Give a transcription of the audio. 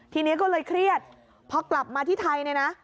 ทีนี้ก็เลยเครียดพอกลับมาที่ไทยเนี่ยนะ